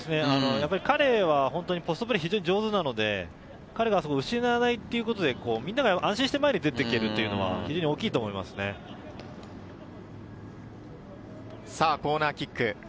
やっぱり彼はポストプレー非常に上手なので、彼が失わないところで皆が安心して前に出て行けるというのは非常コーナーキック。